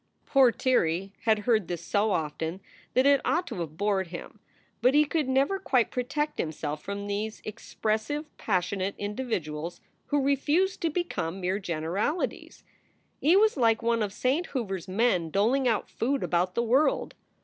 Poor Tirrey had heard this so often that it ought to have bored him. But he could never quite protect himself from these expressive, passionate individuals who refused to become mere generalities. He was like one of Saint Hoover s men doling out food about the world.